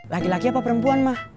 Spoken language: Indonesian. laki laki apa perempuan mah